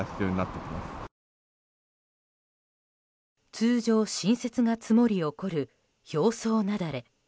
通常、新雪が積もり起こる表層雪崩。